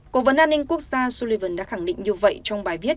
cố vấn an ninh quốc gia sullivan đã khẳng định như vậy trong bài viết